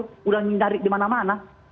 sudah ditarik dimana mana